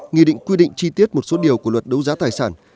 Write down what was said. nghị định quy định chi tiết một số điều của luật đấu giá tài sản